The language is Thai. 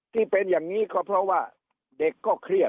ที่เป็นอย่างนี้ก็เพราะว่าเด็กก็เครียด